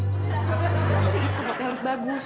bukan dari itu waktu yang harus bagus